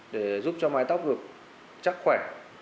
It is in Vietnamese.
để giúp cho mái tóc được chắc khỏe